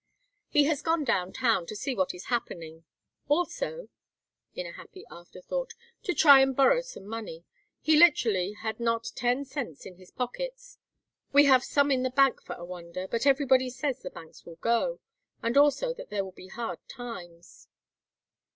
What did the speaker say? He has gone down town to see what is happening also," in a happy afterthought, "to try and borrow some money. He literally had not ten cents in his pocket. We have some in the bank for a wonder, but everybody says the banks will go, and also that there will be hard times."